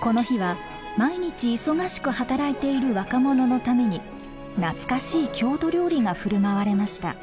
この日は毎日忙しく働いている若者のために懐かしい郷土料理が振る舞われました。